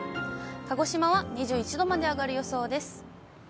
鹿児島は２１度まで上がる予想です。